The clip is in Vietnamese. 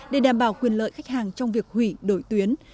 để đảm bảo quyền lợi khách hàng trong việc hủy đổi tuyến